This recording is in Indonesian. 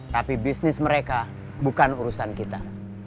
tapi bisnis mereka bukan urusan kita